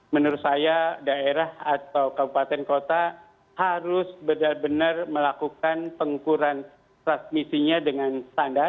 menurut saya daerah atau kabupaten kota harus benar benar melakukan pengukuran transmisinya dengan standar